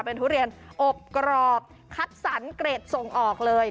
เป็นทุเรียนอบกรอบคัดสรรเกรดส่งออกเลย